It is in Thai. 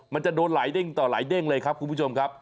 มันจะโดนหลายเด้งต่อหลายเด้งเลยครับคุณผู้ชมครับ